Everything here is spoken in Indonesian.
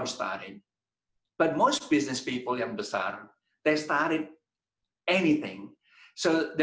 tetapi kebanyakan orang bisnis besar mereka mulai dengan segala hal